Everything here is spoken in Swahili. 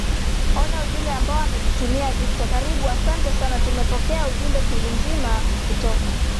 oma ujumbe ambao umetutumia victor karibu asante sana tumepokea ujumbe chungu zima kutoka